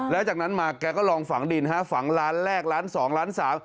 แล้วจากนั้นมาแกก็ลองฝังดินฮะฝังล้านแรกล้านสองล้านสาม